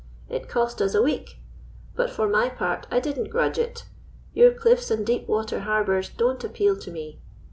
It cost us a week, but for my part I didn't grudge it. Your cliffs and deep water harbours don't appeal to me.